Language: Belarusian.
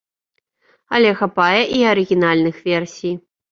Але хапае і арыгінальных версій.